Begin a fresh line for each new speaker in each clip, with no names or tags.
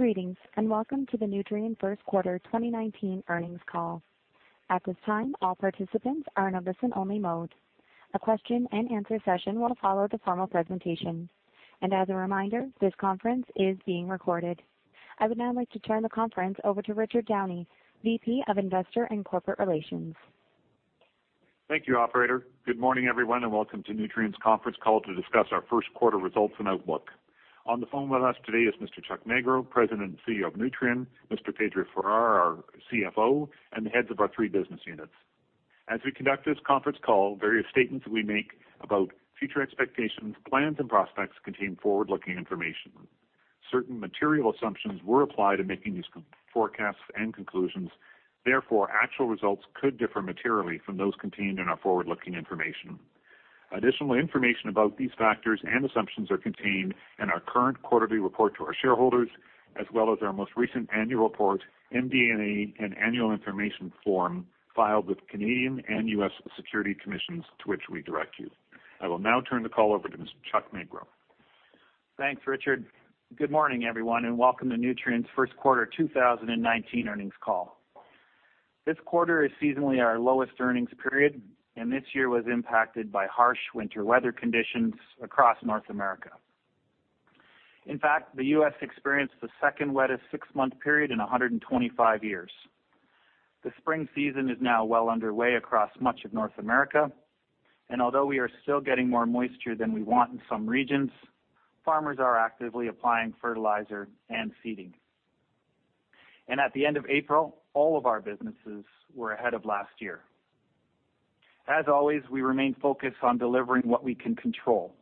Greetings, welcome to the Nutrien First Quarter 2019 earnings call. At this time, all participants are in listen-only mode. A question-and-answer session will follow the formal presentation. As a reminder, this conference is being recorded. I would now like to turn the conference over to Richard Downey, Vice President, Investor & Corporate Relations.
Thank you, operator. Good morning, everyone, welcome to Nutrien's conference call to discuss our first quarter results and outlook. On the phone with us today is Mr. Chuck Magro, President and Chief Executive Officer of Nutrien, Mr. Pedro Farah, our Chief Financial Officer, and the heads of our three business units. As we conduct this conference call, various statements that we make about future expectations, plans and prospects contain forward-looking information. Certain material assumptions were applied in making these forecasts and conclusions, therefore, actual results could differ materially from those contained in our forward-looking information. Additional information about these factors and assumptions are contained in our current quarterly report to our shareholders, as well as our most recent annual report, MD&A, and annual information form filed with Canadian and U.S. Securities Commissions to which we direct you. I will now turn the call over to Mr. Chuck Magro.
Thanks, Richard. Good morning, everyone, welcome to Nutrien's first quarter 2019 earnings call. This quarter is seasonally our lowest earnings period and this year was impacted by harsh winter weather conditions across North America. In fact, the U.S. experienced the second wettest six-month period in 125 years. The spring season is now well underway across much of North America, although we are still getting more moisture than we want in some regions, farmers are actively applying fertilizer and seeding. At the end of April, all of our businesses were ahead of last year. As always, we remain focused on delivering what we can control.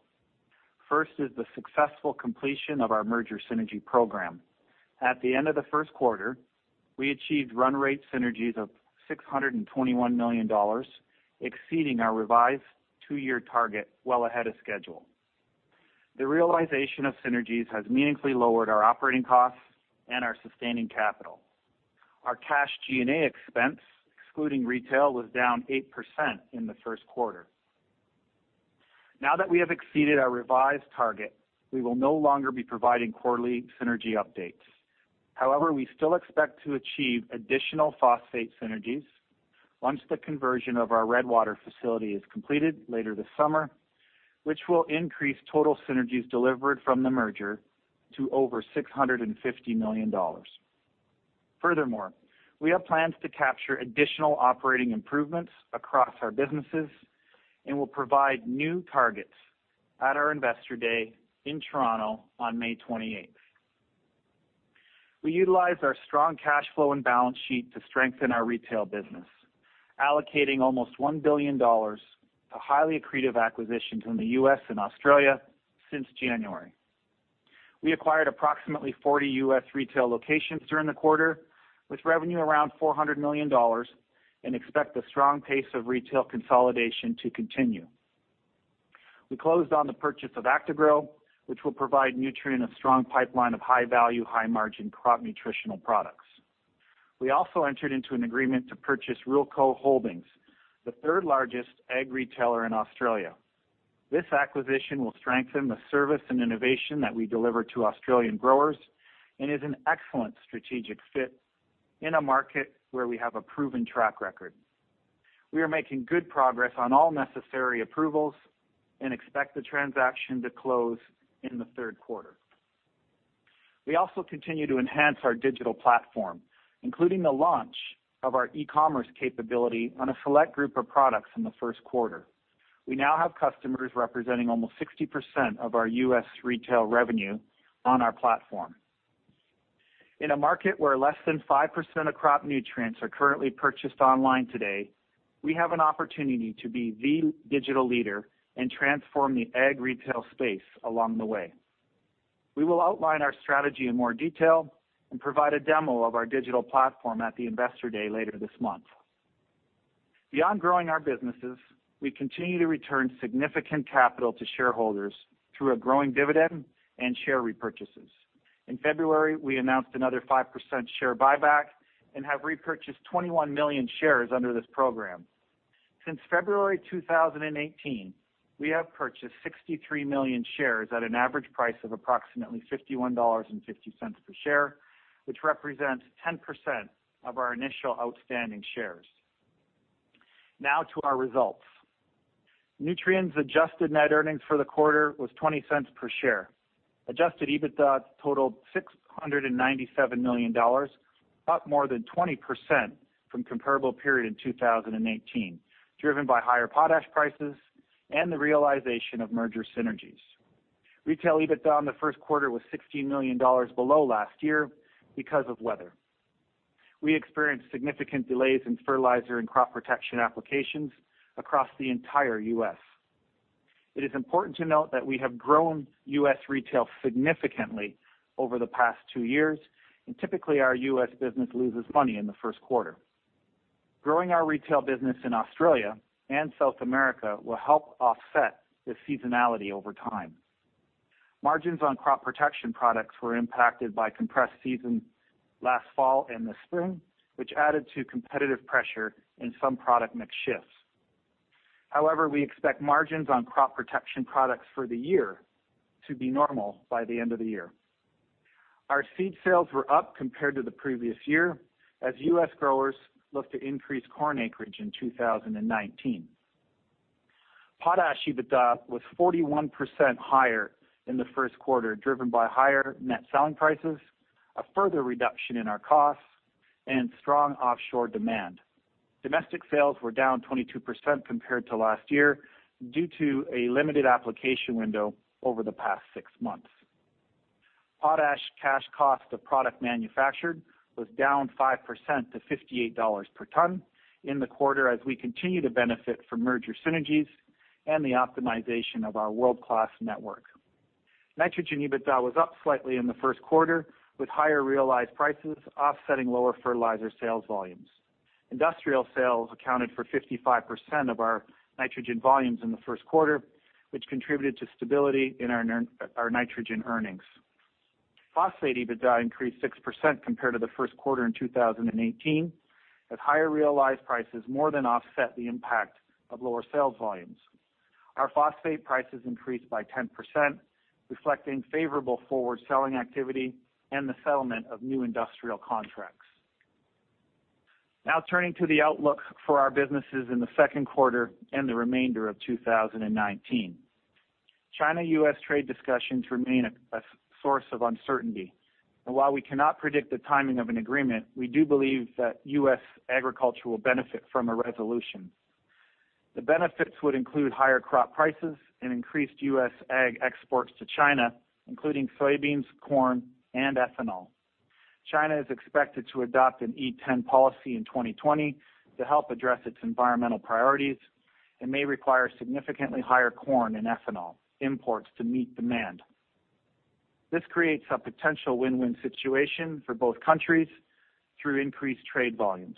First is the successful completion of our merger synergy program. At the end of the first quarter, we achieved run rate synergies of $621 million, exceeding our revised two-year target well ahead of schedule. The realization of synergies has meaningfully lowered our operating costs and our sustaining capital. Our cash G&A expense, excluding retail, was down 8% in the first quarter. Now that we have exceeded our revised target, we will no longer be providing quarterly synergy updates. However, we still expect to achieve additional phosphate synergies once the conversion of our Redwater facility is completed later this summer, which will increase total synergies delivered from the merger to over $650 million. Furthermore, we have plans to capture additional operating improvements across our businesses and will provide new targets at our Investor Day in Toronto on May 28th. We utilized our strong cash flow and balance sheet to strengthen our retail business, allocating almost $1 billion to highly accretive acquisitions in the U.S. and Australia since January. We acquired approximately 40 U.S. retail locations during the quarter, with revenue around $400 million and expect a strong pace of retail consolidation to continue. We closed on the purchase of Actagro, which will provide Nutrien a strong pipeline of high-value, high-margin crop nutritional products. We also entered into an agreement to purchase Ruralco Holdings, the third-largest ag retailer in Australia. This acquisition will strengthen the service and innovation that we deliver to Australian growers and is an excellent strategic fit in a market where we have a proven track record. We are making good progress on all necessary approvals and expect the transaction to close in the third quarter. We also continue to enhance our digital platform, including the launch of our e-commerce capability on a select group of products in the first quarter. We now have customers representing almost 60% of our U.S. retail revenue on our platform. In a market where less than 5% of crop nutrients are currently purchased online today, we have an opportunity to be the digital leader and transform the ag retail space along the way. We will outline our strategy in more detail and provide a demo of our digital platform at the Investor Day later this month. Beyond growing our businesses, we continue to return significant capital to shareholders through a growing dividend and share repurchases. In February, we announced another 5% share buyback and have repurchased 21 million shares under this program. Since February 2018, we have purchased 63 million shares at an average price of approximately $51.50 per share, which represents 10% of our initial outstanding shares. Now to our results. Nutrien's adjusted net earnings for the quarter was $0.20 per share. Adjusted EBITDA totaled $697 million, up more than 20% from comparable period in 2018, driven by higher potash prices and the realization of merger synergies. Retail EBITDA in the first quarter was $16 million below last year because of weather. We experienced significant delays in fertilizer and crop protection applications across the entire U.S. It is important to note that we have grown U.S. retail significantly over the past two years, and typically, our U.S. business loses money in the first quarter. Growing our retail business in Australia and South America will help offset this seasonality over time. Margins on crop protection products were impacted by compressed season last fall and this spring, which added to competitive pressure in some product mix shifts. However, we expect margins on crop protection products for the year to be normal by the end of the year. Our seed sales were up compared to the previous year, as U.S. growers look to increase corn acreage in 2019. Potash EBITDA was 41% higher in the first quarter, driven by higher net selling prices, a further reduction in our costs, and strong offshore demand. Domestic sales were down 22% compared to last year due to a limited application window over the past six months. Potash cash cost of product manufactured was down 5% to $58 per ton in the quarter as we continue to benefit from merger synergies and the optimization of our world-class network. Nitrogen EBITDA was up slightly in the first quarter, with higher realized prices offsetting lower fertilizer sales volumes. Industrial sales accounted for 55% of our nitrogen volumes in the first quarter, which contributed to stability in our nitrogen earnings. Phosphate EBITDA increased 6% compared to the first quarter in 2018, as higher realized prices more than offset the impact of lower sales volumes. Our phosphate prices increased by 10%, reflecting favorable forward selling activity and the settlement of new industrial contracts. Now turning to the outlook for our businesses in the second quarter and the remainder of 2019. China-U.S. trade discussions remain a source of uncertainty. While I cannot predict the timing of an agreement, we do believe that U.S. agriculture will benefit from a resolution. The benefits would include higher crop prices and increased U.S. ag exports to China, including soybeans, corn, and ethanol. China is expected to adopt an E10 policy in 2020 to help address its environmental priorities and may require significantly higher corn and ethanol imports to meet demand. This creates a potential win-win situation for both countries through increased trade volumes.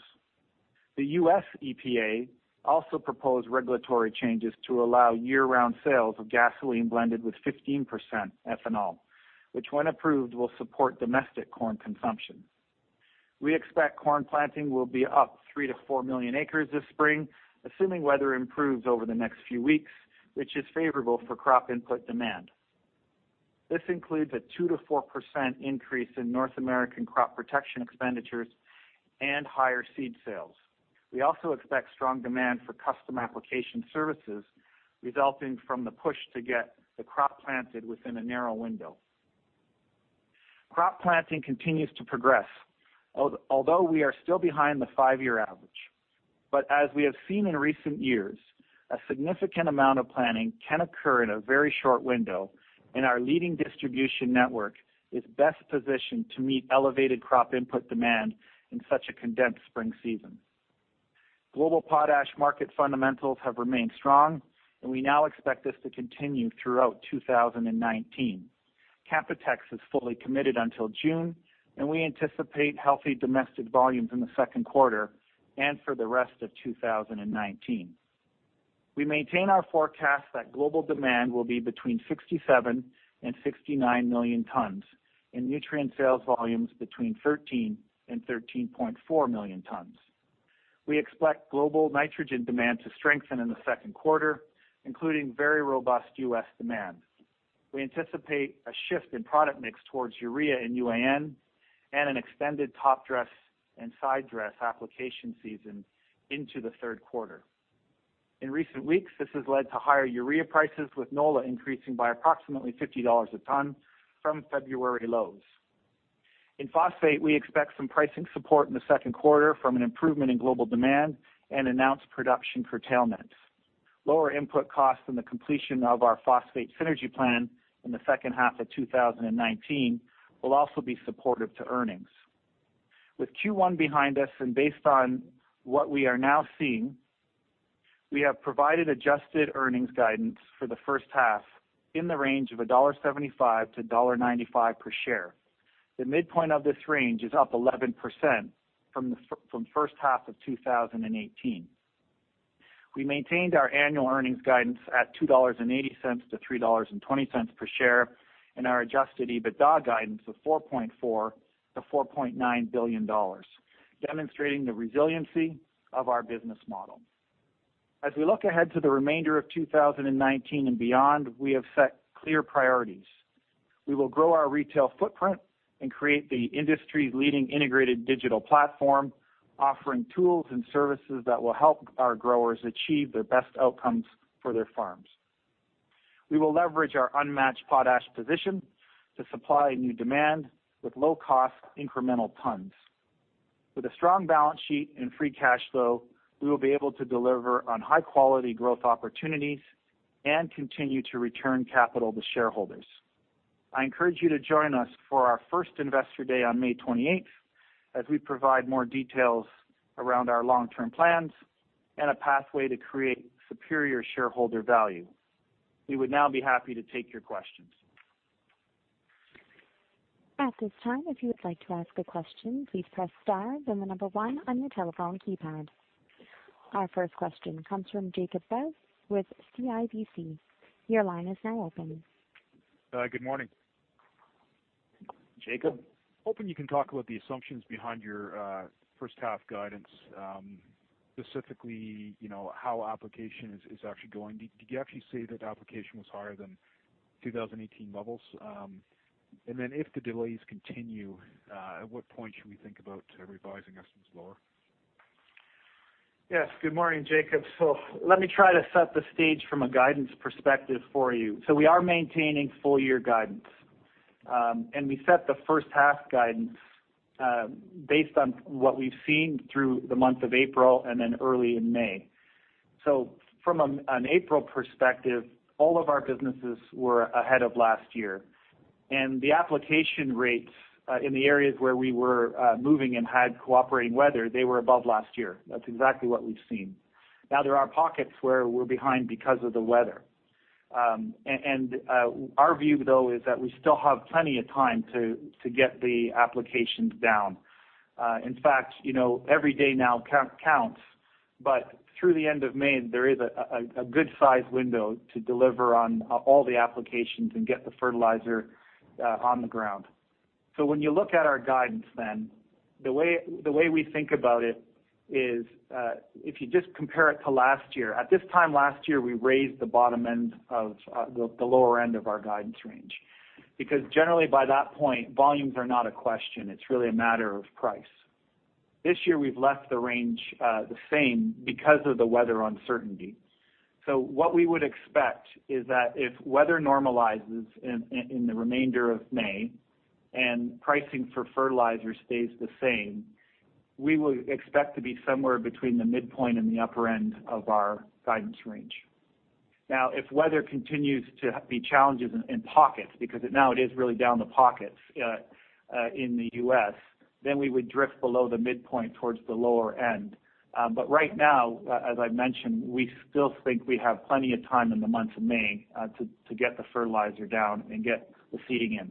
The U.S. EPA also proposed regulatory changes to allow year-round sales of gasoline blended with 15% ethanol, which when approved will support domestic corn consumption. We expect corn planting will be up three to four million acres this spring, assuming weather improves over the next few weeks, which is favorable for crop input demand. This includes a 2%-4% increase in North American crop protection expenditures and higher seed sales. We also expect strong demand for custom application services resulting from the push to get the crop planted within a narrow window. Crop planting continues to progress, although we are still behind the five-year average. As we have seen in recent years, a significant amount of planting can occur in a very short window, and our leading distribution network is best positioned to meet elevated crop input demand in such a condensed spring season. Global potash market fundamentals have remained strong, and we now expect this to continue throughout 2019. CapEx is fully committed until June, and we anticipate healthy domestic volumes in the second quarter and for the rest of 2019. We maintain our forecast that global demand will be between 67 and 69 million tons, and Nutrien sales volumes between 13 and 13.4 million tons. We expect global nitrogen demand to strengthen in the second quarter, including very robust U.S. demand. We anticipate a shift in product mix towards urea and UAN, and an extended top dress and side dress application season into the third quarter. In recent weeks, this has led to higher urea prices, with NOLA increasing by approximately $50 a ton from February lows. In phosphate, we expect some pricing support in the second quarter from an improvement in global demand and announced production curtailment. Lower input costs and the completion of our phosphate synergy plan in the second half of 2019 will also be supportive to earnings. With Q1 behind us and based on what we are now seeing, we have provided adjusted earnings guidance for the first half in the range of $1.75-$1.95 per share. The midpoint of this range is up 11% from first half of 2018. We maintained our annual earnings guidance at $2.80-$3.20 per share and our adjusted EBITDA guidance of $4.4 billion-$4.9 billion, demonstrating the resiliency of our business model. As we look ahead to the remainder of 2019 and beyond, we have set clear priorities. We will grow our retail footprint and create the industry's leading integrated digital platform, offering tools and services that will help our growers achieve their best outcomes for their farms. We will leverage our unmatched potash position to supply new demand with low-cost incremental tons. With a strong balance sheet and free cash flow, we will be able to deliver on high-quality growth opportunities and continue to return capital to shareholders. I encourage you to join us for our first Investor Day on May 28th as we provide more details around our long-term plans and a pathway to create superior shareholder value. We would now be happy to take your questions.
At this time, if you would like to ask a question, please press star, then the number one on your telephone keypad. Our first question comes from Jacob Bout with CIBC. Your line is now open.
Hi, good morning, Jacob?
Hoping you can talk about the assumptions behind your first half guidance, specifically, how application is actually going. Did you actually say that application was higher than 2018 levels? If the delays continue, at what point should we think about revising estimates lower?
Yes. Good morning, Jacob. Let me try to set the stage from a guidance perspective for you. We are maintaining full-year guidance. We set the first-half guidance based on what we've seen through the month of April and then early in May. From an April perspective, all of our businesses were ahead of last year. The application rates, in the areas where we were moving and had cooperating weather, they were above last year. That's exactly what we've seen. Now there are pockets where we're behind because of the weather. Our view though is that we still have plenty of time to get the applications down. In fact, every day now counts, but through the end of May, there is a good-size window to deliver on all the applications and get the fertilizer on the ground. When you look at our guidance then, the way we think about it is, if you just compare it to last year, at this time last year, we raised the lower end of our guidance range. Because generally by that point, volumes are not a question, it's really a matter of price. This year we've left the range the same because of the weather uncertainty. What we would expect is that if weather normalizes in the remainder of May and pricing for fertilizer stays the same, we will expect to be somewhere between the midpoint and the upper end of our guidance range. Now, if weather continues to be challenging in pockets, because now it is really down to pockets in the U.S., then we would drift below the midpoint towards the lower end. Right now, as I mentioned, we still think we have plenty of time in the month of May to get the fertilizer down and get the seeding in.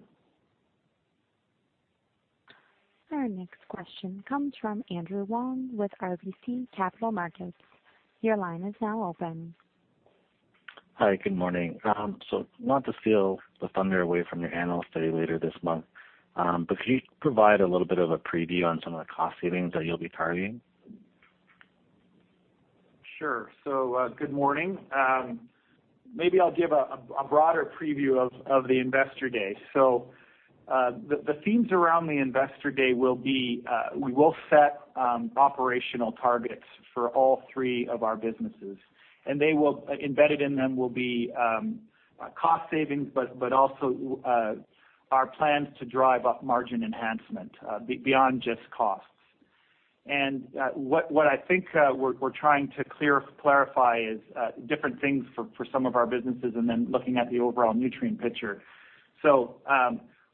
Our next question comes from Andrew Wong with RBC Capital Markets. Your line is now open.
Hi, good morning. Not to steal the thunder away from your analyst day later this month, but could you provide a little bit of a preview on some of the cost savings that you'll be targeting?
Sure. Good morning. Maybe I'll give a broader preview of the investor day. The themes around the investor day will be, we will set operational targets for all three of our businesses. Embedded in them will be cost savings but also our plans to drive up margin enhancement beyond just costs. What I think we're trying to clarify is different things for some of our businesses and then looking at the overall Nutrien picture.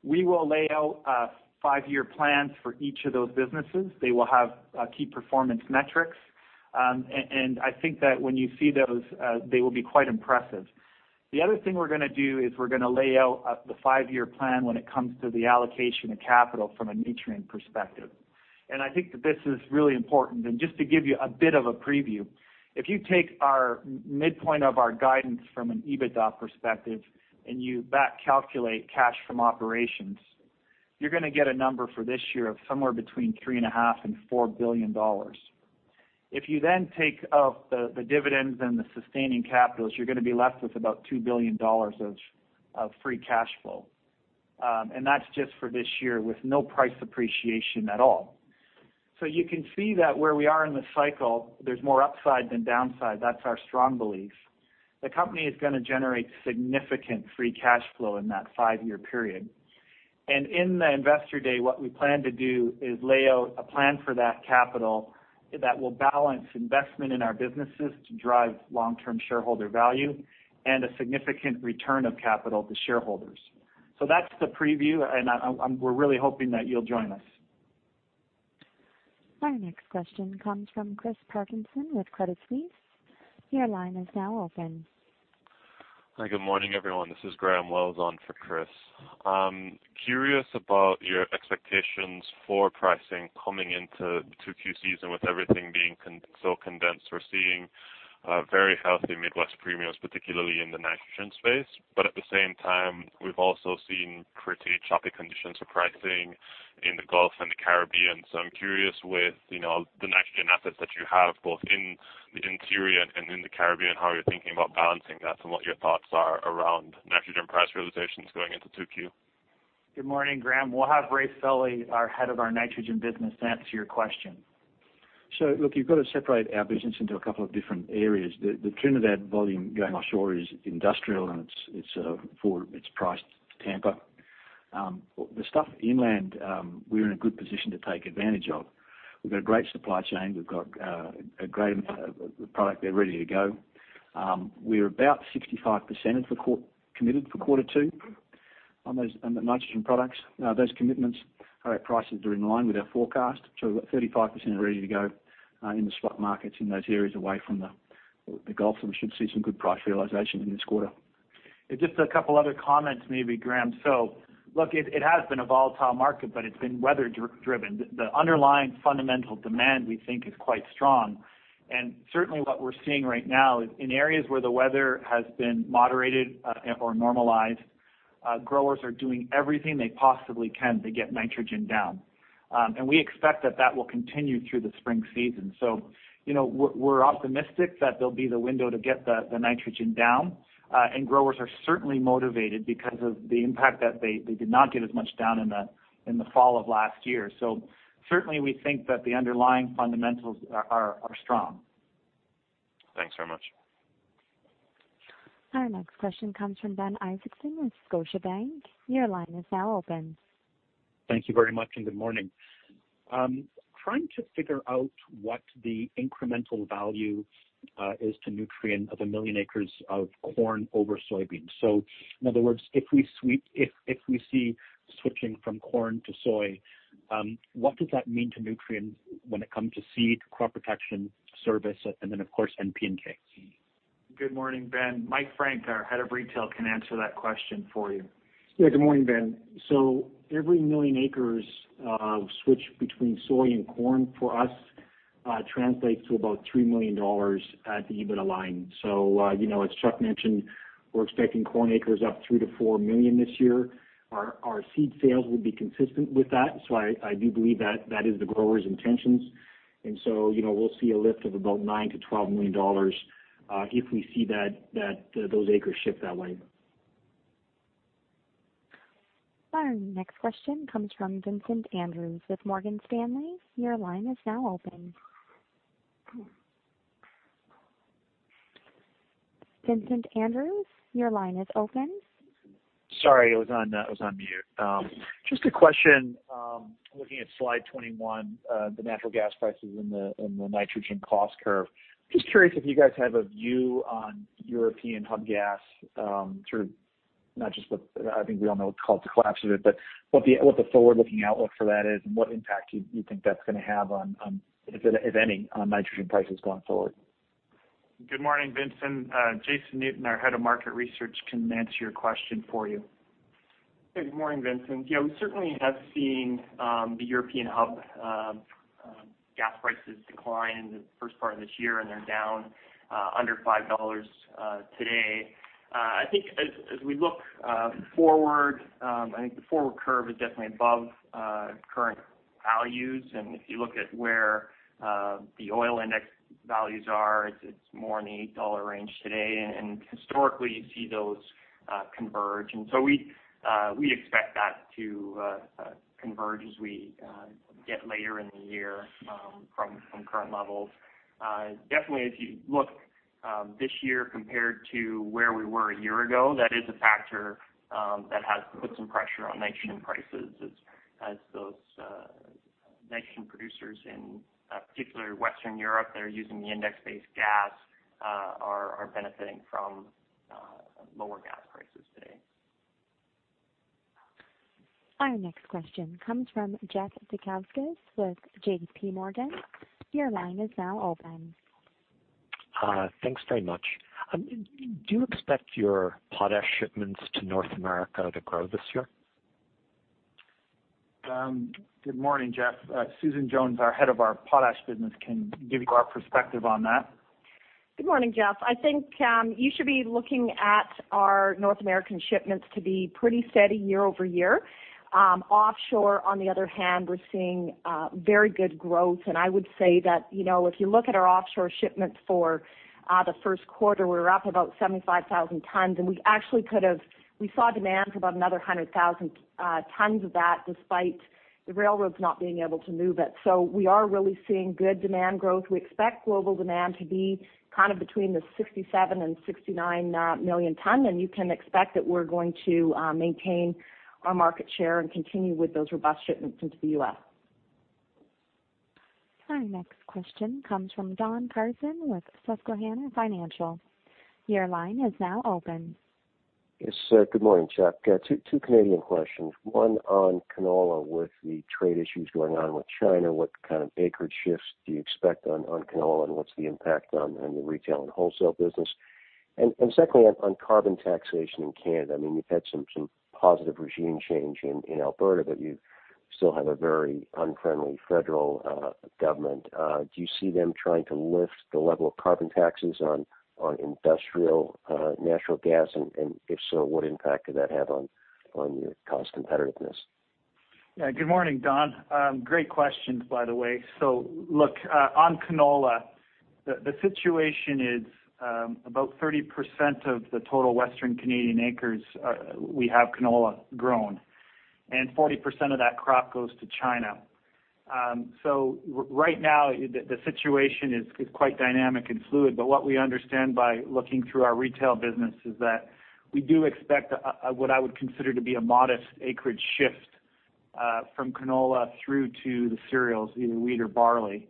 We will lay out 5-year plans for each of those businesses. They will have key performance metrics. I think that when you see those, they will be quite impressive. The other thing we're going to do is we're going to lay out the 5-year plan when it comes to the allocation of capital from a Nutrien perspective. I think that this is really important. Just to give you a bit of a preview, if you take our midpoint of our guidance from an EBITDA perspective and you back calculate cash from operations, you're going to get a number for this year of somewhere between three and a half and $4 billion. If you then take out the dividends and the sustaining capitals, you're going to be left with about $2 billion of free cash flow. That's just for this year with no price appreciation at all. You can see that where we are in the cycle, there's more upside than downside. That's our strong belief. The company is going to generate significant free cash flow in that 5-year period. In the investor day, what we plan to do is lay out a plan for that capital that will balance investment in our businesses to drive long-term shareholder value and a significant return of capital to shareholders. That's the preview, we're really hoping that you'll join us.
Our next question comes from Chris Parkinson with Credit Suisse. Your line is now open.
Hi, good morning, everyone. This is Graham Wells on for Chris. Curious about your expectations for pricing coming into 2Q season with everything being so condensed. At the same time, we're seeing very healthy Midwest premiums, particularly in the nitrogen space. At the same time, we've also seen pretty choppy conditions for pricing in the Gulf and the Caribbean. I'm curious with the nitrogen assets that you have both in the interior and in the Caribbean, how you're thinking about balancing that and what your thoughts are around nitrogen price realizations going into 2Q.
Good morning, Graham. We'll have Raef Sully, our head of our nitrogen business, answer your question.
Look, you've got to separate our business into a couple of different areas. The Trinidad volume going offshore is industrial and it's priced to Tampa. The stuff inland, we're in a good position to take advantage of. We've got a great supply chain. We've got a great amount of product there ready to go. We're about 65% committed for quarter two on the nitrogen products. Those commitments are at prices that are in line with our forecast. We've got 35% ready to go in the spot markets in those areas away from the Gulf. We should see some good price realization in this quarter.
Look, it has been a volatile market, but it's been weather driven. The underlying fundamental demand we think is quite strong. Certainly what we're seeing right now in areas where the weather has been moderated or normalized. Growers are doing everything they possibly can to get nitrogen down. We expect that that will continue through the spring season. We're optimistic that there'll be the window to get the nitrogen down, and growers are certainly motivated because of the impact that they did not get as much down in the fall of last year. Certainly, we think that the underlying fundamentals are strong.
Thanks very much.
Our next question comes from Ben Isaacson with Scotiabank. Your line is now open.
Thank you very much, and good morning. I'm trying to figure out what the incremental value is to Nutrien of a million acres of corn over soybeans. In other words, if we see switching from corn to soy, what does that mean to Nutrien when it comes to seed, crop protection service, and then, of course, N, P, and K?
Good morning, Ben. Mike Frank, our head of retail, can answer that question for you.
Yeah, good morning, Ben. Every million acres of switch between soy and corn for us translates to about $3 million at the EBITDA line. As Chuck mentioned, we're expecting corn acres up 3 million-4 million this year. Our seed sales will be consistent with that. I do believe that is the growers' intentions. We'll see a lift of about $9 million-$12 million, if we see those acres shift that way.
Our next question comes from Vincent Andrews with Morgan Stanley. Your line is now open. Vincent Andrews, your line is open.
Sorry, I was on mute. Just a question, looking at slide 21, the natural gas prices and the nitrogen cost curve. Just curious if you guys have a view on European hub gas, sort of not just what I think we all know what's called the collapse of it, but what the forward-looking outlook for that is and what impact you think that's going to have on, if any, on nitrogen prices going forward.
Good morning, Vincent. Jason Newton, our Head of Market Research, can answer your question for you.
Good morning, Vincent. We certainly have seen the European hub gas prices decline in the first part of this year, and they're down under $5 today. I think as we look forward, I think the forward curve is definitely above current values. If you look at where the oil index values are, it's more in the $8 range today. Historically, you see those converge. We expect that to converge as we get later in the year from current levels. Definitely, if you look this year compared to where we were a year ago, that is a factor that has put some pressure on nitrogen prices as those nitrogen producers, in particular Western Europe that are using the index-based gas, are benefiting from lower gas prices today.
Our next question comes from Jeff Zekauskas with J.P. Morgan. Your line is now open.
Thanks very much. Do you expect your potash shipments to North America to grow this year?
Good morning, Jeff. Susan Jones, our head of our potash business, can give you our perspective on that.
Good morning, Jeff. I think you should be looking at our North American shipments to be pretty steady year-over-year. Offshore, on the other hand, we're seeing very good growth. I would say that if you look at our offshore shipments for the first quarter, we were up about 75,000 tons, and we saw demand for about another 100,000 tons of that despite the railroads not being able to move it. We are really seeing good demand growth. We expect global demand to be kind of between the 67 million and 69 million tons, and you can expect that we're going to maintain our market share and continue with those robust shipments into the U.S.
Our next question comes from Don Carson with Susquehanna Financial. Your line is now open.
Yes, sir. Good morning, Chuck. Two Canadian questions. One on canola. With the trade issues going on with China, what kind of acreage shifts do you expect on canola, and what's the impact on the retail and wholesale business? Secondly, on carbon taxation in Canada, you've had some positive regime change in Alberta, but you still have a very unfriendly federal government. Do you see them trying to lift the level of carbon taxes on industrial natural gas? If so, what impact could that have on your cost competitiveness?
Yeah. Good morning, Don. Great questions, by the way. Look, on canola, the situation is about 30% of the total Western Canadian acres we have canola grown, 40% of that crop goes to China. Right now, the situation is quite dynamic and fluid, but what we understand by looking through our retail business is that we do expect what I would consider to be a modest acreage shift from canola through to the cereals, either wheat or barley.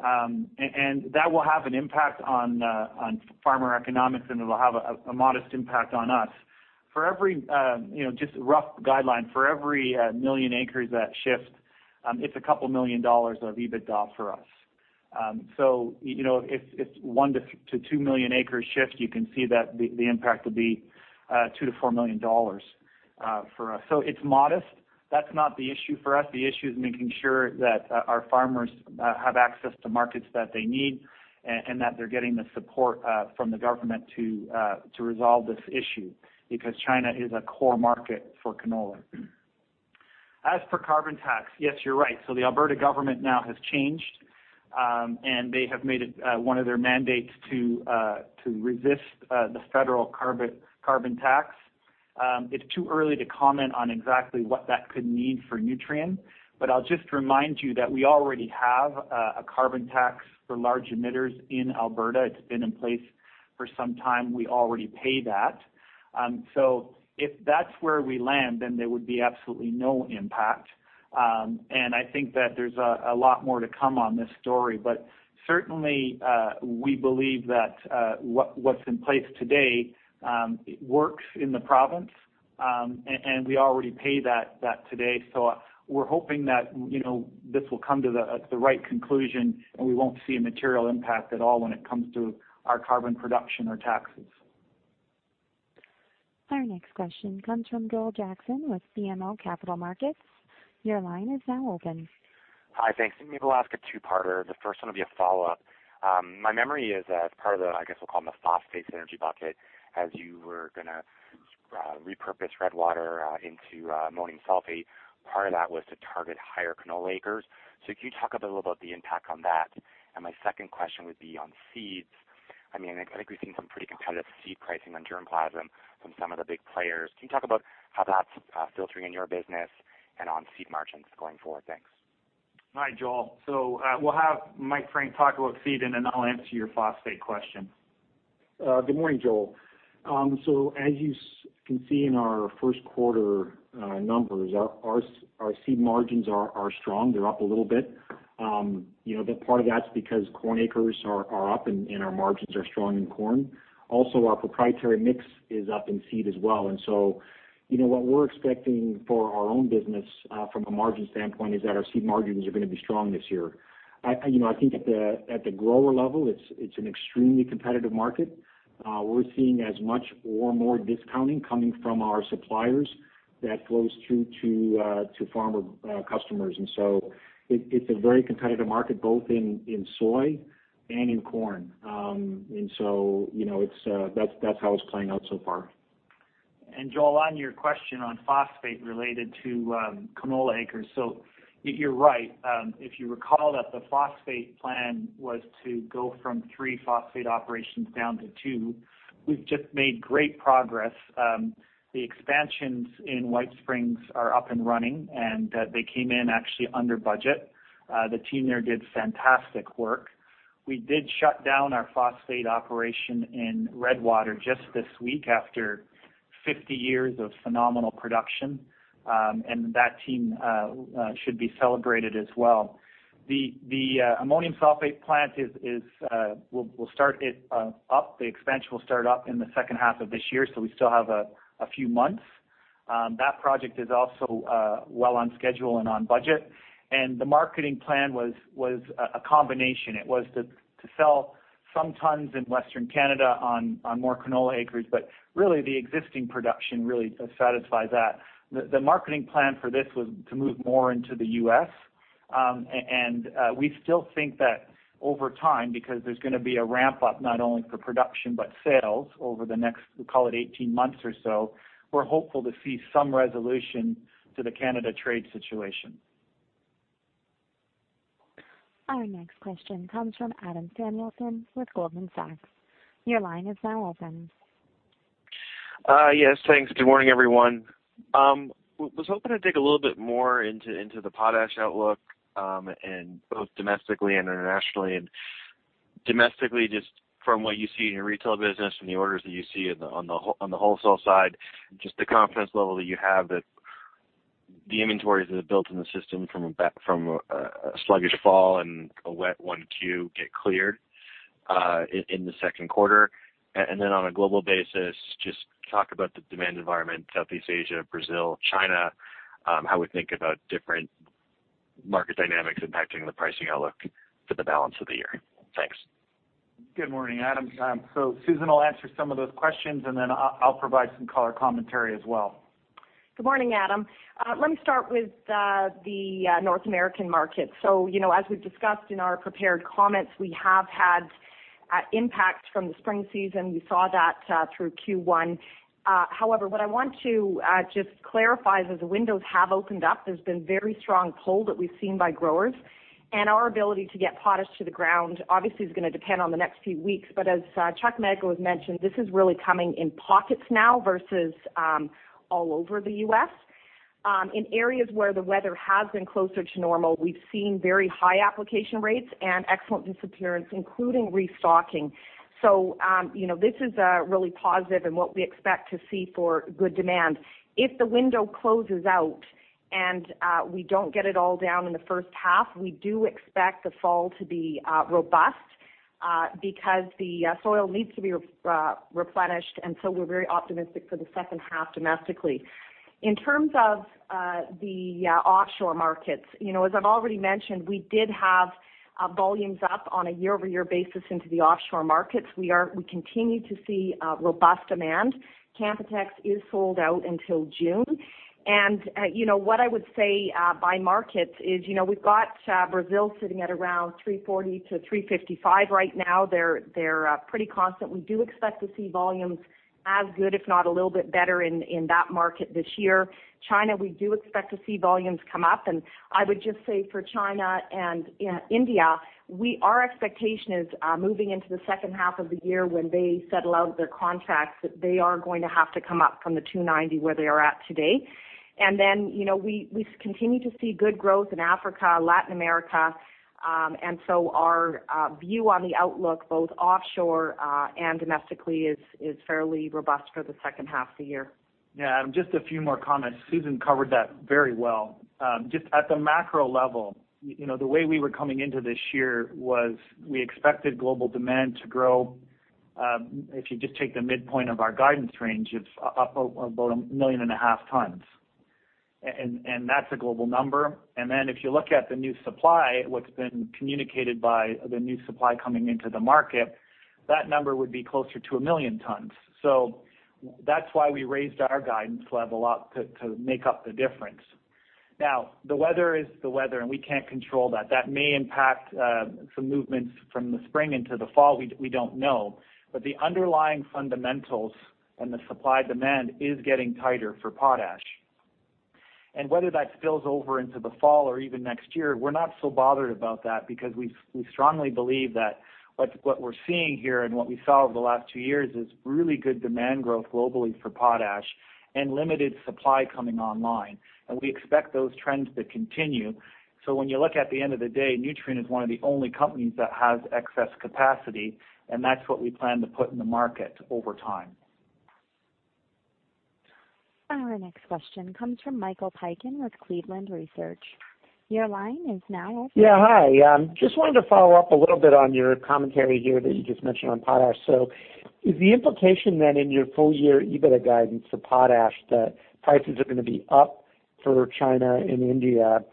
That will have an impact on farmer economics, and it will have a modest impact on us. Just a rough guideline, for every million acres that shift, it is a couple million dollars of EBITDA for us. If it is one to two million acres shift, you can see that the impact will be $2 million to $4 million for us. It is modest. That is not the issue for us. The issue is making sure that our farmers have access to markets that they need and that they are getting the support from the government to resolve this issue because China is a core market for canola. As for carbon tax, yes, you are right. The Alberta government now has changed, and they have made it one of their mandates to resist the federal carbon tax. It is too early to comment on exactly what that could mean for Nutrien, but I will just remind you that we already have a carbon tax for large emitters in Alberta. It has been in place for some time. We already pay that. If that is where we land, then there would be absolutely no impact. I think that there is a lot more to come on this story, but certainly, we believe that what is in place today works in the province, and we already pay that today. We are hoping that this will come to the right conclusion, and we will not see a material impact at all when it comes to our carbon production or taxes.
Our next question comes from Joel Jackson with BMO Capital Markets. Your line is now open.
Hi. Thanks. Maybe we'll ask a two-parter. The first one will be a follow-up. My memory is as part of the, I guess we'll call it the phosphate synergy bucket, as you were going to repurpose Redwater into ammonium sulfate, part of that was to target higher canola acres. Can you talk a bit about the impact on that? My second question would be on seeds. I think we've seen some pretty competitive seed pricing on germplasm from some of the big players. Can you talk about how that's filtering in your business and on seed margins going forward? Thanks.
Hi, Joel. We'll have Mike Frank talk about seed, and then I'll answer your phosphate question.
Good morning, Joel. As you can see in our first quarter numbers, our seed margins are strong. They're up a little bit. Part of that's because corn acres are up and our margins are strong in corn. Also, our proprietary mix is up in seed as well. What we're expecting for our own business from a margin standpoint is that our seed margins are going to be strong this year. I think at the grower level, it's an extremely competitive market. We're seeing as much or more discounting coming from our suppliers that flows through to farmer customers. It's a very competitive market both in soy and in corn. That's how it's playing out so far.
Joel, on your question on phosphate related to canola acres, you're right. If you recall that the phosphate plan was to go from three phosphate operations down to two, we've just made great progress. The expansions in White Springs are up and running, and they came in actually under budget. The team there did fantastic work. We did shut down our phosphate operation in Redwater just this week after 50 years of phenomenal production, and that team should be celebrated as well. The ammonium sulfate plant, the expansion will start up in the second half of this year, so we still have a few months. That project is also well on schedule and on budget. The marketing plan was a combination. It was to sell some tons in Western Canada on more canola acreage, but really the existing production really satisfies that. The marketing plan for this was to move more into the U.S., and we still think that over time, because there's going to be a ramp-up not only for production, but sales over the next, we'll call it 18 months or so, we're hopeful to see some resolution to the Canada trade situation.
Our next question comes from Adam Samuelson with Goldman Sachs. Your line is now open.
Yes, thanks. Good morning, everyone. Was hoping to dig a little bit more into the potash outlook, both domestically and internationally. Domestically, just from what you see in your retail business, from the orders that you see on the wholesale side, just the confidence level that you have that the inventories that have built in the system from a sluggish fall and a wet 1Q get cleared in the second quarter. On a global basis, just talk about the demand environment, Southeast Asia, Brazil, China, how we think about different market dynamics impacting the pricing outlook for the balance of the year. Thanks.
Good morning, Adam. Susan will answer some of those questions and then I'll provide some color commentary as well.
Good morning, Adam. Let me start with the North American market. As we've discussed in our prepared comments, we have had impacts from the spring season. We saw that through Q1. However, what I want to just clarify is as the windows have opened up, there's been very strong pull that we've seen by growers, and our ability to get potash to the ground obviously is going to depend on the next few weeks. But as Chuck Magro has mentioned, this is really coming in pockets now versus all over the U.S. In areas where the weather has been closer to normal, we've seen very high application rates and excellent disappearance, including restocking. This is really positive and what we expect to see for good demand. If the window closes out and we don't get it all down in the first half, we do expect the fall to be robust because the soil needs to be replenished, and so we're very optimistic for the second half domestically. In terms of the offshore markets, as I've already mentioned, we did have volumes up on a year-over-year basis into the offshore markets. We continue to see robust demand. Canpotex is sold out until June. What I would say by markets is, we've got Brazil sitting at around $340 to $355 right now. They're pretty constant. We do expect to see volumes as good, if not a little bit better in that market this year. China, we do expect to see volumes come up. I would just say for China and India, our expectation is moving into the second half of the year when they settle out their contracts, that they are going to have to come up from the $290 where they are at today. We continue to see good growth in Africa, Latin America. Our view on the outlook, both offshore and domestically, is fairly robust for the second half of the year.
Yeah. Just a few more comments. Susan covered that very well. Just at the macro level, the way we were coming into this year was we expected global demand to grow, if you just take the midpoint of our guidance range, it's up about a million and a half tons. That's a global number. If you look at the new supply, what's been communicated by the new supply coming into the market, that number would be closer to a million tons. That's why we raised our guidance level up to make up the difference. Now, the weather is the weather, and we can't control that. That may impact some movements from the spring into the fall, we don't know. The underlying fundamentals and the supply-demand is getting tighter for potash. Whether that spills over into the fall or even next year, we're not so bothered about that because we strongly believe that what we're seeing here and what we saw over the last two years is really good demand growth globally for potash and limited supply coming online. We expect those trends to continue. When you look at the end of the day, Nutrien is one of the only companies that has excess capacity, and that's what we plan to put in the market over time.
Our next question comes from Michael Piken with Cleveland Research. Your line is now open.
Yeah. Hi. Just wanted to follow up a little bit on your commentary here that you just mentioned on potash. Is the implication then in your full-year EBITDA guidance for potash that prices are going to be up for China and India?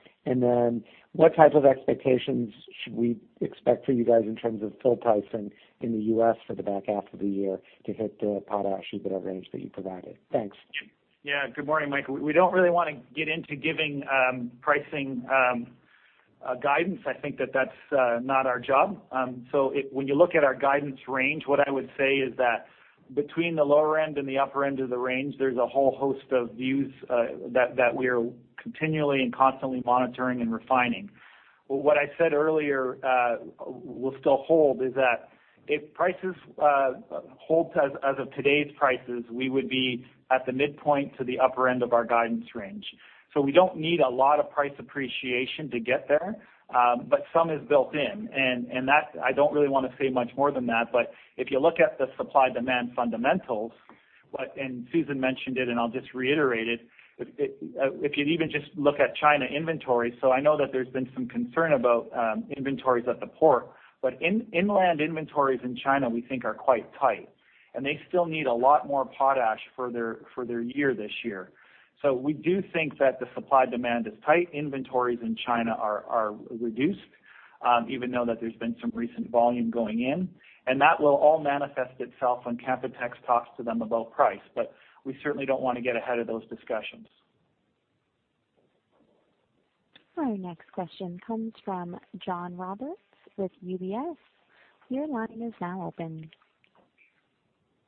What type of expectations should we expect for you guys in terms of full pricing in the U.S. for the back half of the year to hit the potash EBITDA range that you provided? Thanks.
Yeah. Good morning, Michael. We don't really want to get into giving pricing guidance. I think that that's not our job. When you look at our guidance range, what I would say is that between the lower end and the upper end of the range, there's a whole host of views that we are continually and constantly monitoring and refining. What I said earlier will still hold, is that if prices holds as of today's prices, we would be at the midpoint to the upper end of our guidance range. We don't need a lot of price appreciation to get there, but some is built in. I don't really want to say much more than that, but if you look at the supply-demand fundamentals, and Susan mentioned it and I'll just reiterate it. If you'd even just look at China inventory, I know that there's been some concern about inventories at the port, but inland inventories in China we think are quite tight, and they still need a lot more potash for their year this year. We do think that the supply-demand is tight. Inventories in China are reduced, even though that there's been some recent volume going in, and that will all manifest itself when Canpotex talks to them about price. We certainly don't want to get ahead of those discussions.
Our next question comes from John Roberts with UBS. Your line is now open.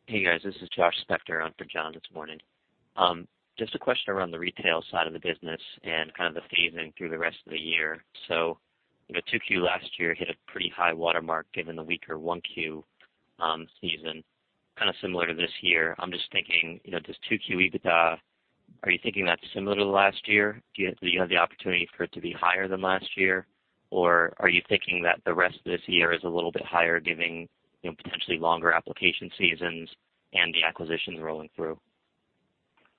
Hey, guys. This is Joshua Spector on for John this morning. Just a question around the retail side of the business and kind of the phase-in through the rest of the year. The 2Q last year hit a pretty high watermark given the weaker 1Q season, kind of similar to this year. I'm just thinking, does 2Q EBITDA, are you thinking that's similar to last year? Do you have the opportunity for it to be higher than last year? Are you thinking that the rest of this year is a little bit higher giving potentially longer application seasons and the acquisitions rolling through?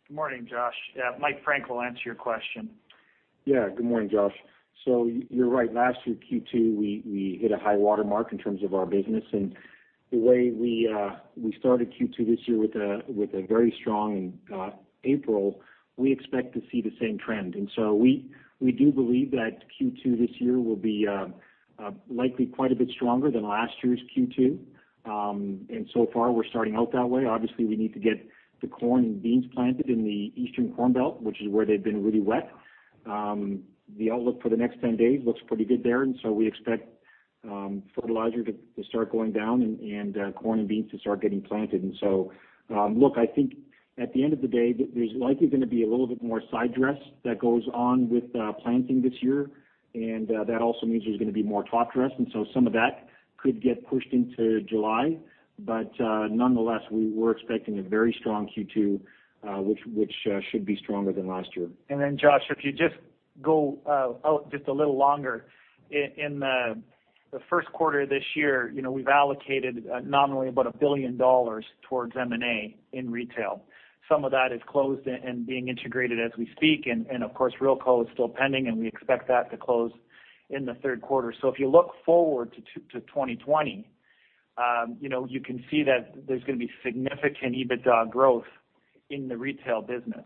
Good morning, Josh. Mike Frank will answer your question.
Yeah. Good morning, Josh. You're right. Last year, Q2, we hit a high watermark in terms of our business. The way we started Q2 this year with a very strong April, we expect to see the same trend. We do believe that Q2 this year will be likely quite a bit stronger than last year's Q2. So far, we're starting out that way. Obviously, we need to get the corn and beans planted in the Eastern Corn Belt, which is where they've been really wet. The outlook for the next 10 days looks pretty good there. We expect fertilizer to start going down and corn and beans to start getting planted.
Look, I think at the end of the day, there's likely going to be a little bit more sidedress that goes on with planting this year. That also means there's going to be more topdress. Some of that could get pushed into July. Nonetheless, we were expecting a very strong Q2, which should be stronger than last year.
Josh, if you just go out just a little longer. In the first quarter this year, we've allocated nominally about $1 billion towards M&A in retail. Some of that is closed and being integrated as we speak. Of course, Ruralco is still pending. We expect that to close in the third quarter. If you look forward to 2020, you can see that there's going to be significant EBITDA growth in the retail business.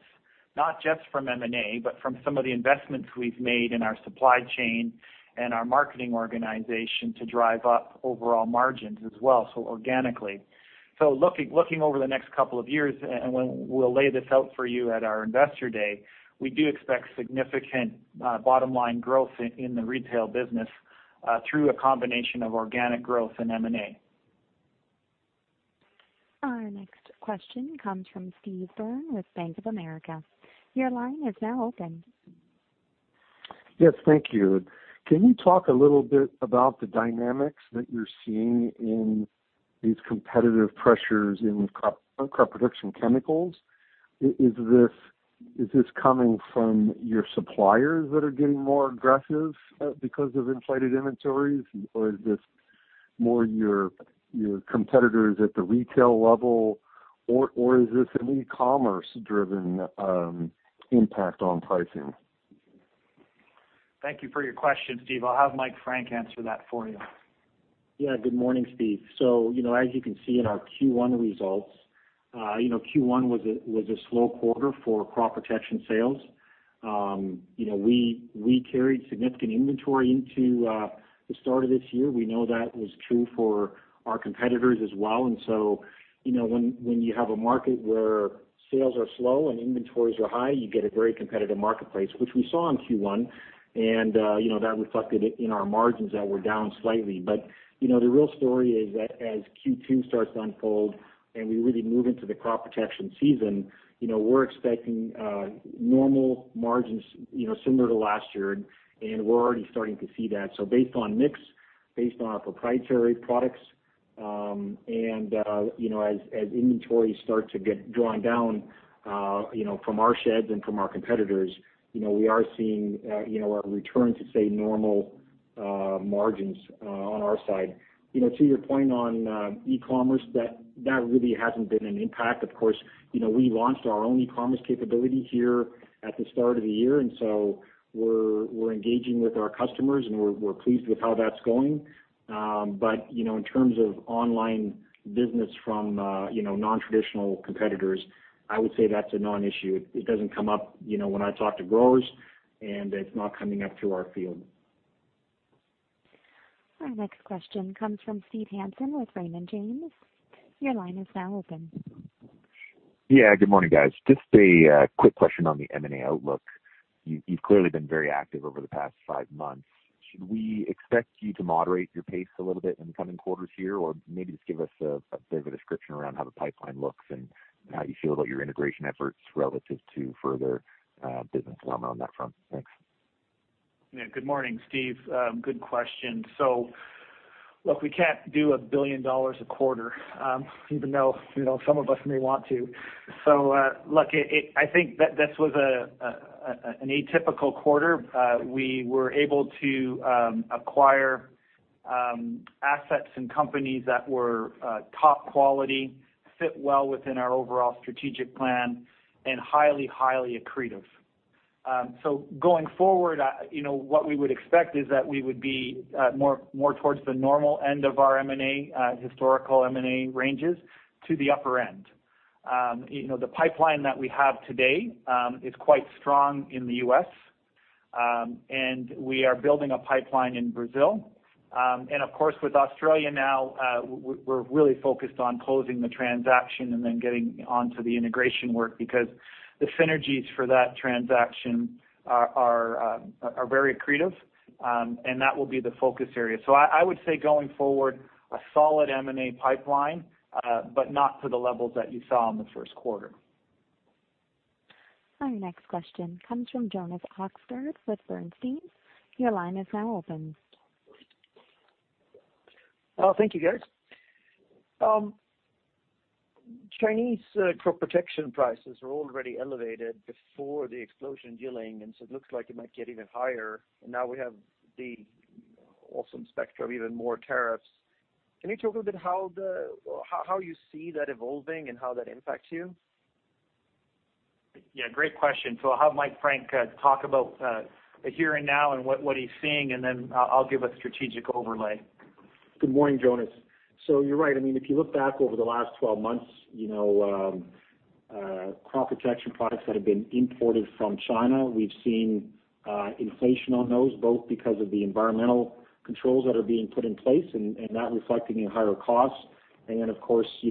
Not just from M&A, but from some of the investments we've made in our supply chain and our marketing organization to drive up overall margins as well, so organically. Looking over the next couple of years, and when we'll lay this out for you at our investor day, we do expect significant bottom-line growth in the retail business through a combination of organic growth and M&A.
Our next question comes from Steve Byrne with Bank of America. Your line is now open.
Yes, thank you. Can you talk a little bit about the dynamics that you're seeing in these competitive pressures in crop production chemicals? Is this coming from your suppliers that are getting more aggressive because of inflated inventories, or is this more your competitors at the retail level, or is this an e-commerce driven impact on pricing?
Thank you for your question, Steve. I'll have Mike Frank answer that for you.
Yeah, good morning, Steve. As you can see in our Q1 results, Q1 was a slow quarter for crop protection sales. We carried significant inventory into the start of this year. We know that was true for our competitors as well. When you have a market where sales are slow and inventories are high, you get a very competitive marketplace, which we saw in Q1, and that reflected in our margins that were down slightly. The real story is that as Q2 starts to unfold and we really move into the crop protection season, we're expecting normal margins similar to last year, and we're already starting to see that. Based on mix, based on our proprietary products, and as inventories start to get drawn down from our sheds and from our competitors, we are seeing a return to, say, normal margins on our side. To your point on e-commerce, that really hasn't been an impact. Of course, we launched our own e-commerce capability here at the start of the year, we're engaging with our customers, and we're pleased with how that's going. In terms of online business from non-traditional competitors, I would say that's a non-issue. It doesn't come up when I talk to growers, and it's not coming up through our field.
Our next question comes from Steve Hansen with Raymond James. Your line is now open.
Yeah, good morning, guys. Just a quick question on the M&A outlook. You've clearly been very active over the past five months. Should we expect you to moderate your pace a little bit in the coming quarters here? Or maybe just give us a bit of a description around how the pipeline looks and how you feel about your integration efforts relative to further business development on that front. Thanks.
Yeah. Good morning, Steve. Good question. Look, we can't do 1 billion dollars a quarter, even though some of us may want to. Look, I think that this was an atypical quarter. We were able to acquire assets and companies that were top quality, fit well within our overall strategic plan, and highly accretive. Going forward, what we would expect is that we would be more towards the normal end of our M&A, historical M&A ranges to the upper end. The pipeline that we have today is quite strong in the U.S., and we are building a pipeline in Brazil. And of course, with Australia now, we're really focused on closing the transaction and then getting onto the integration work because the synergies for that transaction are very accretive, and that will be the focus area. I would say going forward, a solid M&A pipeline, but not to the levels that you saw in the first quarter.
Our next question comes from Jonas Oxgaard with Bernstein. Your line is now open.
Thank you, guys. Chinese crop protection prices were already elevated before the explosion in Yancheng, and so it looks like it might get even higher. Now we have the awesome specter of even more tariffs. Can you talk a bit how you see that evolving and how that impacts you?
Yeah, great question. I'll have Mike Frank talk about the here and now and what he's seeing, and then I'll give a strategic overlay.
Good morning, Jonas. You're right. If you look back over the last 12 months, crop protection products that have been imported from China, we've seen inflation on those, both because of the environmental controls that are being put in place and that reflecting in higher costs. Then, of course, the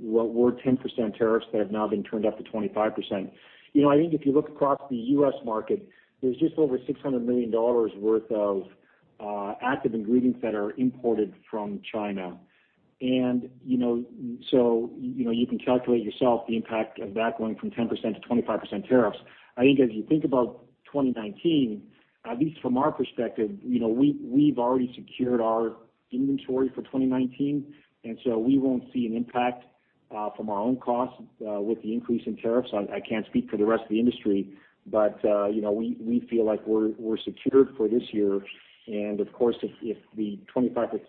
what were 10% tariffs that have now been turned up to 25%. I think if you look across the U.S. market, there's just over $600 million worth of active ingredients that are imported from China. You can calculate yourself the impact of that going from 10%-25% tariffs. I think as you think about 2019, at least from our perspective, we've already secured our inventory for 2019, and so we won't see an impact from our own costs with the increase in tariffs. I can't speak for the rest of the industry, but we feel like we're secured for this year. Of course, if the 25%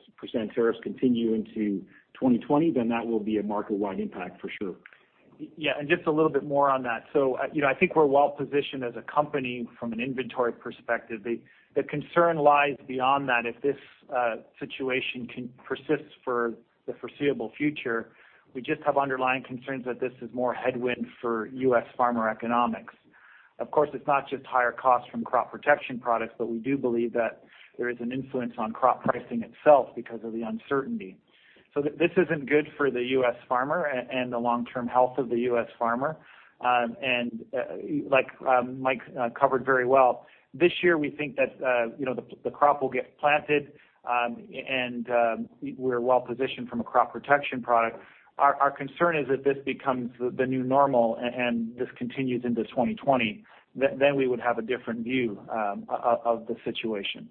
tariffs continue into 2020, that will be a market-wide impact for sure.
Just a little bit more on that. I think we're well-positioned as a company from an inventory perspective. The concern lies beyond that. If this situation persists for the foreseeable future, we just have underlying concerns that this is more headwind for U.S. farmer economics. Of course, it's not just higher costs from crop protection products, we do believe that there is an influence on crop pricing itself because of the uncertainty. This isn't good for the U.S. farmer and the long-term health of the U.S. farmer. Like Mike covered very well, this year, we think that the crop will get planted, and we're well-positioned from a crop protection product. Our concern is that this becomes the new normal, and this continues into 2020. We would have a different view of the situation.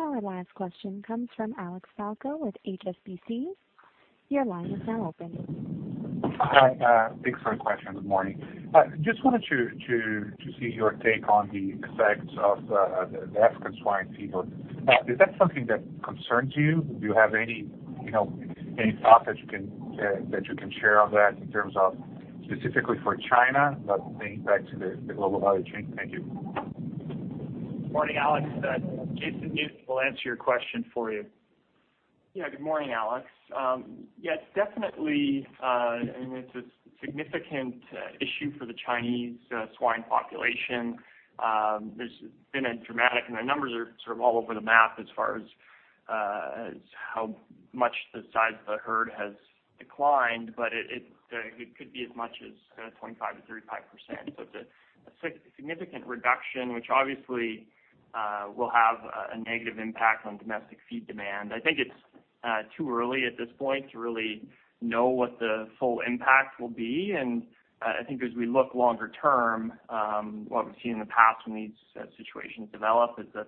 Our last question comes from Alex Falco with HSBC. Your line is now open.
Hi. Thanks for the question. Good morning. Just wanted to see your take on the effects of the African swine fever. Is that something that concerns you? Do you have any thought that you can share on that in terms of specifically for China, thinking back to the global value chain? Thank you.
Morning, Alex. Jason Newton will answer your question for you.
Good morning, Alex. Definitely, it's a significant issue for the Chinese swine population. The numbers are sort of all over the map as far as how much the size of the herd has declined, but it could be as much as 25%-35%. It's a significant reduction, which obviously will have a negative impact on domestic feed demand. I think it's too early at this point to really know what the full impact will be. I think as we look longer term, what we've seen in the past when these situations develop is that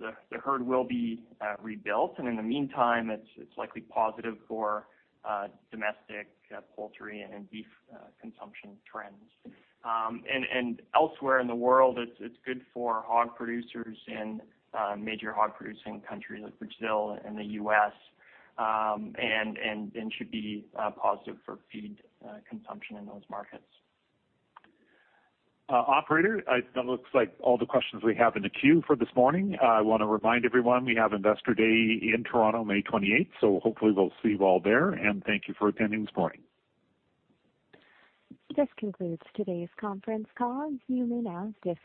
the herd will be rebuilt. In the meantime, it's likely positive for domestic poultry and in beef consumption trends. Elsewhere in the world, it's good for hog producers in major hog-producing countries like Brazil and the U.S., and should be positive for feed consumption in those markets.
Operator, it looks like all the questions we have in the queue for this morning. I want to remind everyone we have Investor Day in Toronto May 28th, so hopefully we'll see you all there, and thank you for attending this morning.
This concludes today's conference call. You may now disconnect.